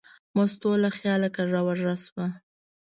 مستو له خیاله کږه وږه شوه.